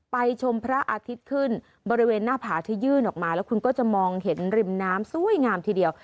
ชมพระอาทิตย์ขึ้นบริเวณหน้าผาที่ยื่นออกมาแล้วคุณก็จะมองเห็นริมน้ำสวยงามทีเดียว